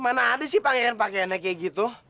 mana ada sih pangeran pakeannya kayak gitu